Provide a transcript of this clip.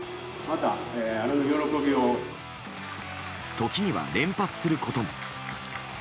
時には連発することも。